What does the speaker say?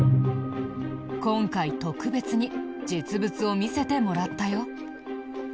今回特別に実物を見せてもらったよ。